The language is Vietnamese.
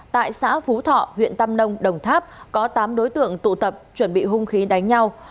tại xã phú thọ huyện tam nông đồng tháp có tám đối tượng tụ tập chuẩn bị hung khí đánh nhau